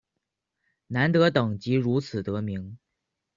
南德等即如此得名。